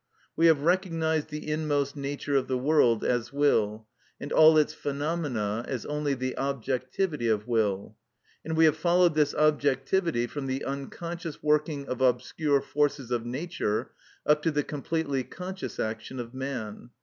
We have recognised the inmost nature of the world as will, and all its phenomena as only the objectivity of will; and we have followed this objectivity from the unconscious working of obscure forces of Nature up to the completely conscious action of man.